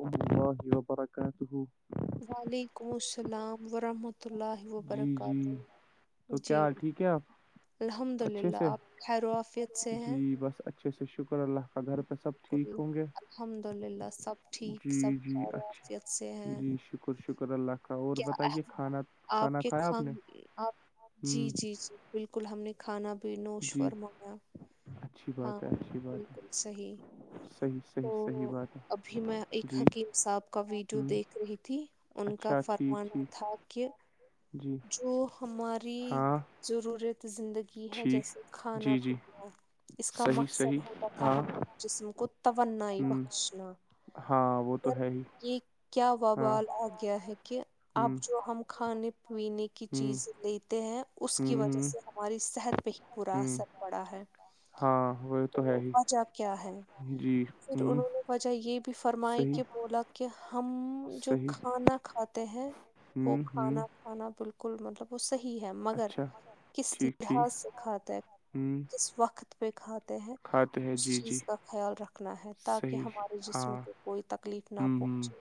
و علیکم السلہ وبرکاتہ وعلیکم السلام ورحمۃ اللہ جی جی وبرکاتہ تو جی کیا ٹھیک ہے آپ الحمد اچھے للہ سے آپ خیرو آفیت سے ہیں اچا سا شکر اللہ گھر پہ سب بالکل ٹھیک ہوں گے الحمد للہ سب ٹھیک سب جی جی خیر و اچھا عافیت سے ہیں جی شکر شک شکر اللہ کا اور بتائیے کھانا کھانا کہ کھایا آپ کھان نے آپ جی ہوں جی جی بالکل ہم نے کھانا بھی نوش جی فورمایا اچھی ہاں بات ہے اچھی بات بالکل صحیح ہے صحیح صحیح تو صحیح بات ہے ابھی میں ایک جی حکیم صاحب کا ویڈیو ہوں دیکھ رہی تھی ان کا اچھا ٹھیک فرمانا ٹھیک تھا کہ جی جو ہماری ہاں ضرورت زندگی کی ہے ٹھیک جیسے کھانا جی جی پ اس کا صحیح مقصد صحیح ہوتا تھا ہاں ہمار جسم کو ہ توانائی بخشنا ہاں وہ تو مگر ہے ہی یہ کیا ہاں ووال آ گیا ہے کہ اب ہ جو ہم کھانے پینے کی ہ چیز لیتے ہیں اس کی ہوں وجہ ہوں سے ہماری صحت پہ ہی با ہوں اثر پڑا ہے ہاں وہ تو ہے ہی بچا کیا ہے جی پھر ہوں انہوں نے وجہ یہ بھی فرمائی کہ صحیح بولا کہ ہم جو صحیح کھانا کھاتے ہیں وہ ہوں ہوں کھانا کھانا بالکل بالل مطلب وہ صحیح ہے مگر اچھا کس ٹھیک ٹھیک لحاظ سے کھات ہے ہوں کس وقت پہ کھاتے ہیں کھاتے ہیں اس جی جی چیز کا خیال رکھنا ہے تاکہ صحیح ہمارے جسم ہاں کو ہ کوئی تک تکلیف نہ ہ پہنچے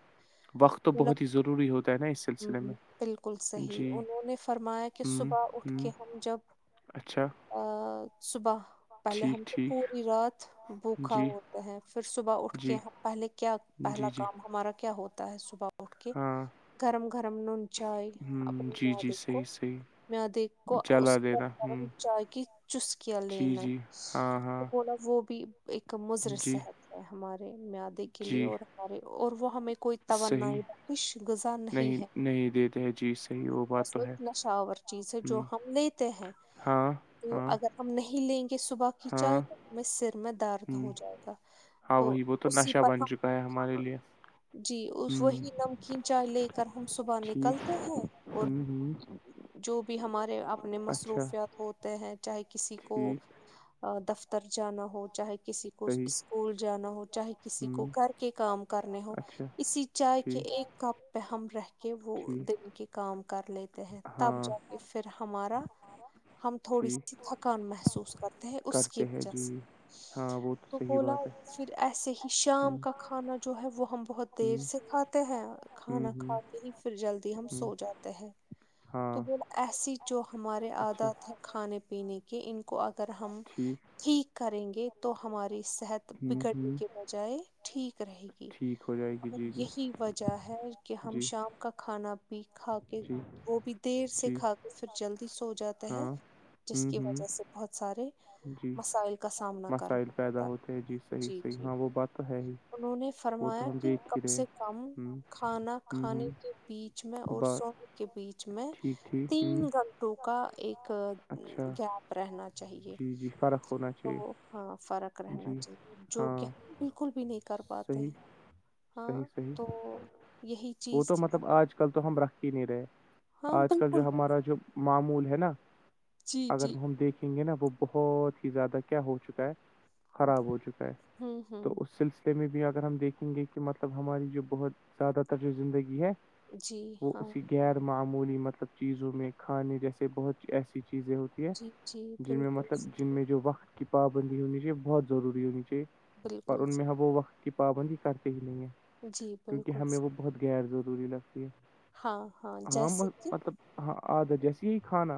وقت تو بولا بہت ہی ضروری ہوتا ہے نا اس سلسلے "ہمم، میں بالکل صحیح جی انہوں نے فرمایا کہ ہوں صبح اٹھ ہوں کے ہم جب اچھا ا صبح پہلے ٹھیک ہم تو ٹھیک پوری رات بھوکا جی ہوتے ہیں پھر صبح اٹھ جی کے پہلے کیا جی پہلا جی کام ہمارا کیا ہوتا ہے صبح اٹھ کے ہاں گرم گرم نون چائے ہ ابڑ جی میںد جی کو صحیح صحیح مدیک کو اس جلا پر دینا ہ گم چائے کی چس کیا جی لینا جی ہاں ہاں وہ بھی ایک مضر جی صحت ہے ہمارے مدے کے لیے جی اور ہمارے اور وہ ہمیں کوئی صحیح توانائی کش غذا نہیں ہے نہیں دیتے جی صحیح ہوگ بت لشاور چیز ہے جو ہم لیتے ہیں ہاں تو ہاں اگر ہم نہیں لیں گے صبح کی ہاں چائے ہمیں سر میں ہ درد ہو جائے گا ہاں وہی وہ تو اسی نشہ پر بن ہم چکا ہے ہمارے کھانا لیے جی ہ وہی نمکین چائے لے کر ہم صبح ٹھیک نکلتے ہیں ہ اور ہ جو بھی ہمارے اپنے اچھا مصروفیات ہوتے ہیں چاہے کسی کو ٹھیک دفتر جانا ہو چاہے کسی کو کو صحیح اسکول جانا ہو چاہے ہ کسی کو کر کے کام کرنے ہو اچھا اسی چائے کے ٹھیک ایک کپ پہ ہم رہ کے وہ ٹھیک دیں گے کام کر لیتے ہیں تب ہاں جا کے پھر ہمارا ہم تھوڑی ٹھیک سی تھکان محسوس کرتے ہیں اس کی کرتے ہیں وجہ جی سے ہاں وہ تو صحیح بھولا بات ہے پھر اسسی کہ ہ شام کا کھانا جو ہے وہ ہم بہت دیر سے کھاتے ہیں ہ کھانا ہ کھاتے ہی پھر جلدی ہم ہ سو جاتے ہیں تو ہاں ب ایسی جو ہمارے اچھا عادات ہیں کھانے پینے کے ان کو اگر ہم ٹھیک کریں گے تو ہماری صحت ہ بگڑنے ہ کے بجائے ٹھیک رہے گی ٹھیک ہو جائے گی اور جی جی یہی وجہ ا ہے کہ ہم جی شام کا کھانا پ کھا کے جی وہ بھی دیر سے جی کھا کر پھر جلدی سو جاتا ہے ہاں جس ہوں کی ہوں وجہ سے بہت سارے جی مسائل کا سامنا کرنا مسائل پیدا پڑتا ہوتے ہیں ہے صحیح جی صحیح جی ہاں وہ جی بات تو ہے ہی انہوں نے وہ فرمایا تو ہم کہ دیکھ ہی کم رہے سے کم ہ کھانا ہ کھانے ہ کے بیچ میں اور بات سونے کے بیچ میں ٹھیک ٹھیک ہ تین گھنٹوں کا ایک اچھا گیپ رہنا چ چاہیے جی جی فرق ہونا تو چاہیے ہاں فرق رہنا جی چاہیے جو کہ ہاں بالکل بھی نہیں کر پاتے صحیح ہاں صحیح صحیح تو یہی وہ چیز تو تھی مطلب آج کل تو ہم رکھ ہی نہیں رہے ہاں آج کل جو بالکل ہمارا جو معمول ہے نا جی جی اگر ہم دیکھ دکھیں گے نا وہ بہت ہی زیادہ کیا ہو چکا ہے خراب ہو چکا ہے ہوں تو ہوں اس سلسلے اسے میں بھی اگر ہم دیکھیں گے کہ مطلب ہماری جو بہت زیادہ تر جو زندگی ہے جی وہ ہاں اسی غیر معمولی مطلب چیزوں میں کھانے جیسے بہت ایسی چیزیں ہوتی جی جی جن میں بالکل مطلب جن صحیح میں جو وقت کی پابندی ہونی چاہیے بہت ضروری ہونی چاہیے پر بالکل ان میں صحیح ہم وہ وقت کی پابندی کرتے ہی نہیں ہے جی کیونکہ بالکل ہمیں وہ صحیح بہت غیر ضروری لگتی ہے ہاں ہاں جیسے کہ مطلب ہاں آدت جیسی ہی کھانا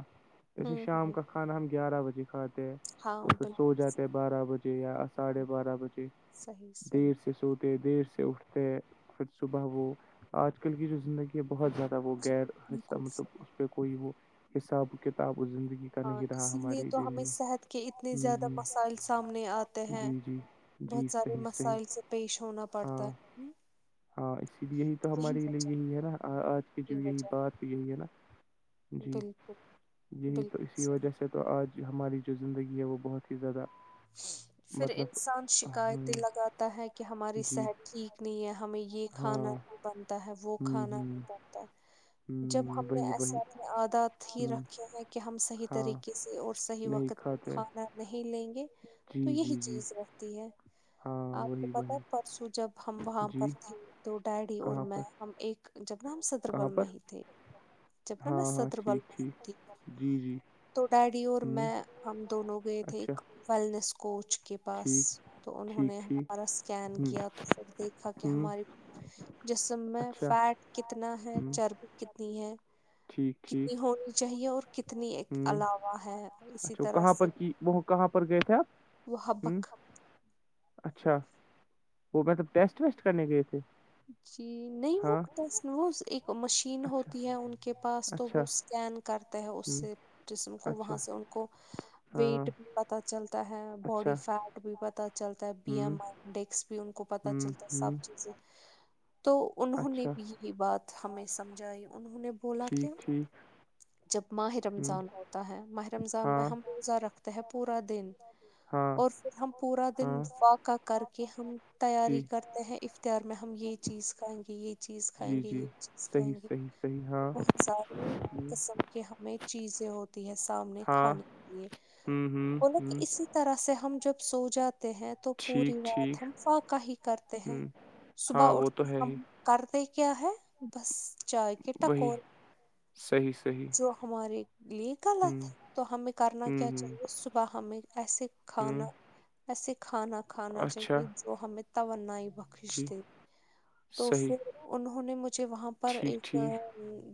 جیسے ہوں شام ہوں کا کھ کھانا ہم گیارہ بجے کھاتے ہیں ہاں تو پھر سو بالکل جاتے صحیح بارہ بجے یا ساڑھے بارہ بجے صحیح صحیح دیر سے سوتے دیر سے اٹھتے پھر صبح وہ آج کل کی جو زندگی یہ بہت زیادہ وہ جی غیر حص بالکل مطلب اس صحیح پہ کوئی وہ حساب و کتاب زندگی کا ہاں نہیں رہا اسی لیے ہمارے تو جو ہمیں صحت کے اتنے زیادہ ہ مسائل سامنے آتے ہیں جی جی جی بہت سارے صحیح صحیح مسائل سے پیش ہونا پڑتا ہاں ہے ہاں اسی لیے یہی تو ہمارے لیے یہی ہے نا آج کی یہ جو یہی وجہ بات یہی ہے نا جی بالکل یہی تو بالکل اسی صحیح وجہ سے تو آج ہماری جو زندگی ہے وہ بہت ہی زیادہ پھر مطلب انسان شکایتیں ہ لگاتا ہے کہ ہماری جی صحت ٹھیک نہیں ہے ہمیں یہ یہ کھانا نہیں ہاں بنتا ہے وہ ہوں کھانا ہوں نہیں بنتا ہے جب ہم ہوں نے وہی وہی ایساات میں آادات ہی ہ رکھے ہیں کہ کہ ہم صحیح ہاں طریقے سے اور صحیح وقت پ کھانا نہیں لیں گے اچ [unintelligible] تو یہی چیز رکھتی ہے ہاں آپ کو وہی پت وہی پرسوں جب ہم وہاں پر جی تھے تو ڈیڈی اور کہاں میں پر ہم ایک جب ن ہم ستر بل کہاں پر میں ہی تھے جب ن ہاں میں ہاں ستر بل ٹھیک ٹھیک ت جی جی تو ڈیڈی اور ہوں میں ہم دونوں گئے تھے اچھا ایک ویلنیس کوچ کے بس ٹھیک تو انہوں ٹھیک نے ٹھیک ہمارا اسکین ہوں کیا تو پھر دیکھا کہ ہوں ہماری جسم میں اچھا فیٹ کتنا ہے ہوں چرب کتنی ہے [unintelligible] کتنی ہونی چاہیے اور کتنی ایک ہوں علاوہ ہے اسی اچھا طرح کہاں سے پر کی وہ کہاں پر گئے تھے وہ آپ ہ حبک اچھا وہ مطلب ٹیسٹ ویسٹ کرنے گئے تھے جی، نہیں وہ ہاں ایک مشین- چین اچھا ہوتی ہے ان کے پاس تو اچھا وہ اسکین کرتے ہے اس ہ سے- جسم کو اچھا وہاں سے ان کو ہاں ویٹ بھی پت چلتا ہے اچھا باڈی فیٹ بھی پت چلتا ہے بی ہوں ایم آر انڈس پ ان کو پتہ ہوں چلتا ہے ہوں سب چیزیں- تو انہوں نے اچھا یہی بات ہمیں سمجھائی انہوں نے- بولا ٹھیک کہ ٹھیک جب ماہ ہوں رمضان ہوتا ہے ماہ رمضان میں ہاں ہم روزا رکھتے- ت پورا دن ہاں اور ہم پورا ہاں دن فاقہ کر کے ہم تیاری جی کرتے ہیں اختیار میں- ہم یہ چیز کھائیں گے یہ چیز جی کھائیں گے جی یہ چیز صحیح کھائیں گے- صحیح صحیح ہاں بہت ساری قسم- کہ ہمیں چیزیں ہوتی ہیں سامنے ہاں کھانے کے لیے ہوں بولا کہ ہوں ہ اس- اس طرح سے ہم جب سو جاتے ہیں تو ٹھیک پوری ٹھیک رات ہم فاقہ ہی کرتے ہیں- ہ صبح ہاں اٹھ وہ تو ہے کے، ہی کرتے کیا ہے- بس چائے کے وہی ٹکور صحیح صحیح جو ہمارے لیے- ہ غلط تو ہمیں کرنا ہ کیا ہ چاہیے صبح ہمیں ایسے ہ کھانا- ایسے کھانا کھانا اچھا چاہیے جو ہمیں توانائی بخش جی دے- تو صحیح پھر انہوں نے مجھے وہاں پر ٹھیک ایک ٹھیک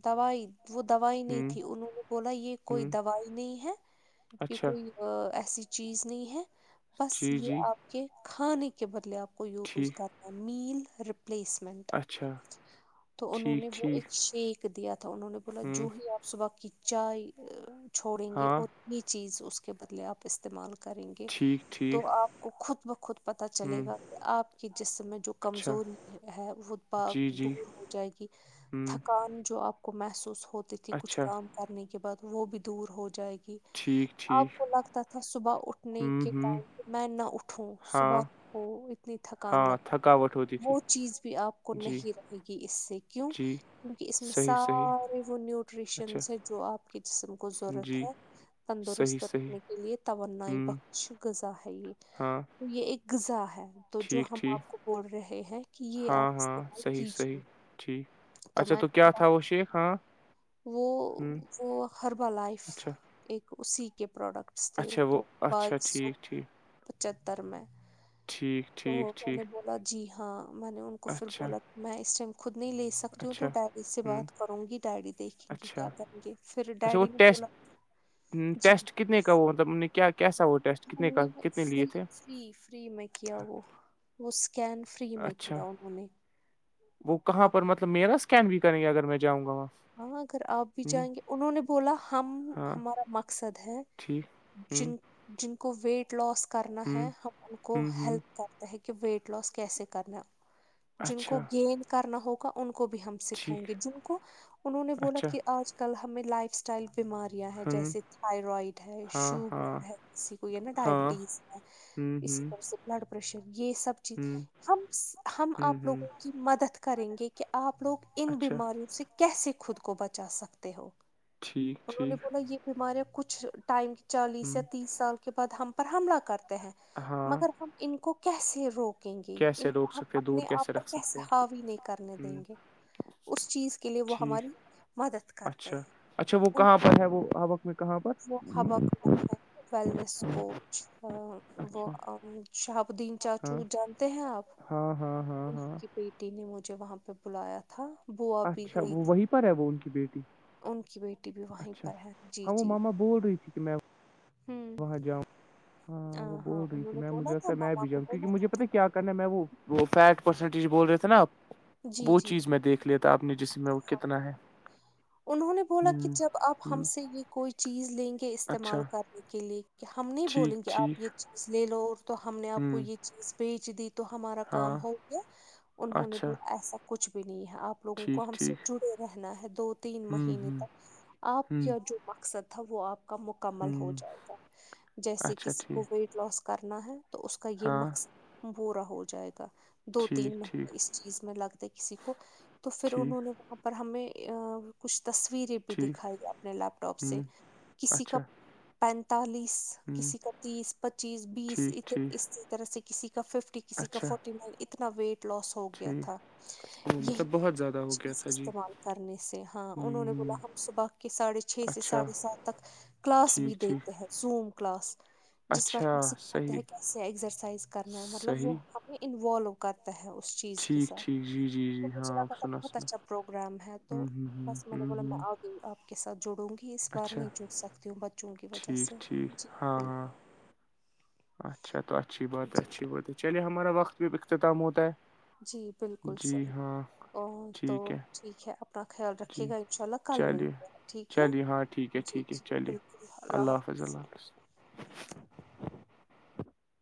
دوائی- وہ دوائی ہ نہیں تھی انہوں نے بولا یہ ہ کوئی دوائی نہیں ہے کہ اچھا کوئی- ایسی چیز نہیں ہے بس جی یہ جی آپ کے کھانے کے بدلے آپ کو یوز- وز ٹھیک کرنا نیل ریپلیسمنٹ اچھا تو انہوں ٹھیک نے وہ ٹھیک ایک شیک- دیا تھا انہوں نے بولا ہوں جو ہی آپ صبح کی چائے چھوڑیں گے ہاں اور- یہ چیز اس کے بدلے اپ استعمال کریں گے ٹھیک ٹھیک تو اپ کو خود بخود- پتہ چلے ہوں گا کہ اپ کی جسم میں جو- اچھا ہے وہ با جی بک جی بک جائے گی ہوں تھکان جو آپ- کو محسوس ہوتی تھی کچھ اچھا کام کرنے کے بعد وہ بھی دور ہو جائے گی- ٹھیک ٹھیک آپ کو لگتا تھا صبح اٹھنے ہوں کے ہوں ٹائم پ میں نہ اٹھوں ہاں صبح- وہ اتنی تھکان- ہاں لگتی تھکاوٹ ہوتی- تھی وہ چیز بھی آپ کو جی نہیں رہے گی اس سے کیوں- جی کیونکہ اس میں صحیح صحیح سارے وہ اچھا نیوٹریشنس ہے جو آپ- آپ کے جسم کو ضرورت جی ہے صحیح تندرست صحیح رکھنے کے لیے توانائی ہوں بخش- قزااہئی ہاں تو یہ ایک غذا ہے تو جو ٹھیک ہم ٹھیک آپ کو بول رہے- ہیں کہ یہ آپ ہاں- ہاں, استعمال صحیح- کیجیے صحیح- ٹھیک اچھا میں تو نے کیا کیا بولا تھااو شیف ہاں- وہ- ہوں وہ حربا لائف اچھا ایک اسی کے پروڈکٹ- اچھا وہ تو اچھا بائیس سو ٹھیک ٹھیک پچتر میں- ٹھیک- تو ٹھیک میں نے ٹھیک بولا جی ہاں میں نے ان کو پھر اچھا بولا میں اس ٹائم خود نہیں لے سک- سکتی ہوں اچھا تو ڈیڈی سے ہوں بات کروں گی ڈیڈی دیکھیں گی اچھا کیا کریں گے پھر اچھا وہ ڈیڈی نے ٹیسٹ بولا تختی سے- ٹیسٹ کتنے کا وہ مطلب کیا کیسا وہ ٹیسٹ ہم کتنے کا نے کتنے لیے فری تھے- فری فری میں کیا وہ وہ اسکین فری میں اچھا کیا انہوں نے- وہ کہاں ہاں پر مطلب میرا اسکین بھی کریں گے اگر میں جاؤں گا وہاں- ہاں اگر آپ بھی ہ جائیں گے انہوں نے بولا ہم ہمارا مقصد ہے- ہمم جن جن کو ویٹ لاس کرنا ہے ہم ان کو ہ ہ ہیلپ کرتا ہے کہ ویٹ لاس کیسے کرنا جن کو اچھا گینین کرنا ہوگا ان کو بھی ہم سکھائیں ٹھیک گے جن کو انہوں نے بولا اچھا کہ آج کل ہمیں لائف اسٹائل بیمار ہ جیسے تھائرائڈ ہے ہاں ہاں شوگر ہے کسی کو یا نا ہاں ڈائبٹیز ہے اسی ہ طرح سے بلڈ پریشر یہ سب چیز ہ ہم ہم ہ آپ لوگ ہ مدد کریں گے کہ آپ لوگ ان اچھا بیماریوں سے- کیسے خود کو بچا سکتے ہو ٹھیک انہوں نے ٹھیک بولا یہ بیماریاں کچھ- ٹائم چالیس یا ہ تیس سال کے بعد ہم پر حملہ کرتے ہیں ہاں مگر ٹائمنگ- ہم ان کو کیسے روک- یں گی کیسے ان کو روک ہم سکتے دور اپنے آپ پر رکھ کیسے سکتے حاوی نہیں کرنے ہ دیں گے اس چیز کے- لیے وہ ٹھیک ہماری مدد کرتے اچھا- ہیں اچھا وہ کہاں پر ہے وہ آبق میں کہاں پر وہ ہبہ ہوں، قدل میں ہے ویلنس کوچ ہاں وہ اچھا شاہابدین ہاں چاچو جانتے ہیں ہاں ہاں ہاں اس ہاں کی بیٹی نے مجھے وہاں پہ بلایا تھا بھی اچھا گئی وہ تھی وہی پر ہے وہ ان کی بیٹی ان کی بیٹی بھی وہیں اچھا پر ہے جی ہاں وہ جی ماما بول رہی تھی کہ میں ہوں وہاں جاؤں ہاں آ وہ بول رہی انہوں تھی نے میں بولا مجھے تھا لگتا میں مما بھی کو جاؤں بولا کیونکہ تھا مجھے پتاہ کیا میں وہ فٹ پرسنج بول رہے تھے نا آپ جی وہ جی چیز میں دیکھ لیا تھا آپ نے جسم میں وہ ہاں کتنا ہے انہوں نے بولا کہ ہ جب آپ ہم ہ سے یہ کوئی چیز لیں گے اچھا استعمال کر کے لیے کہ ہم نہیں ٹھیک بولیں گے آپ ٹھیک یہ چیز لے لو تو ہم نے ہ آپ کو یہ چیز بیچ دی تو ہمارا ہاں کام ہو گیا انہوں نے اچھا بولا ایسا کچھ بھی نہیں ہے آپ لوگوں کو ٹھیک ہم سے ٹھیک جڑے رہنا ہے دو تین ہ مہینے ہ تک آپ ہ کیا جو مقصد تھا وہ آپ کا مکمل ہو ہ جائے گا جیسے اچھا کسی ٹھیک کو لوس کرنا ہے تو اس کا یہ ہاں مقصد پورا ہو جائے گا دو ٹھیک تین ٹھیک مہنے اس چیز میں لگتے کسی کو تو پھر ٹھیک انہوں نے وہاں پر ہمیں کچھ تصویریں ٹھیک دکھائی اپنے لیپ ٹاپ ہ سے کسی کا اچھا پینتالیس ہ کسی کا تیس پچیس بیس ٹھیک ٹھیک اس طرح سے کسی کا ففٹی کسی کا اچھا فورٹی نائن اتنا ویٹ لاس ہو گیا ٹھیک تھا وہ یہی مطلب بہت زیادہ ہو گیا چیز تھا جی استعمال کرنے سے ہاں ہ انہوں نے بولا ہ ہم صبح کے ساڑھے چھ سے اچھا ساڑھے سات تک کلاس ٹھیک بھی ٹھیک دیتے ہیں زوم کلاس جس پر اچھا ہم سکھاتے صحیح ہیں کیسے ایگزرسائز کرنا ہے مطلب وہ صحیح ہمیں انوالو کر تے ہیں اس چیز کے ٹھیک ساتھ ٹھیک جی جی تو جی مجھے ہاں لگا آپ تھا سنا بہت سنا اچھا پروگرام ہے تو ہوں ہوں ہوں بس میں نے ہوں بولا میں ہوں آ گئی آپ کے ساتھ جڑوں گی اس بار اچھا نہیں جڑ سکتی ہو بچوں کی وجہ ٹھیک سے ٹھیک ہاں جی ہاں اچھا تو اچھی بات ہے جی اچھی بات ہے چلیے ہمارا وقت بھی اختتام ہوتا ہے جی بالکل جی ہاں صحیح اور تو ٹھیک ہے ٹھیک ہے آپ اپنا خیال رکھیے جی گا ان شاء اللہ کل چلیے ملتے ہیں ٹھیک ہے چلیے ہاں ٹھیک ہے جی ٹھیک ہے جی چلیے بالکل اللہ حافظ اللہ حافظ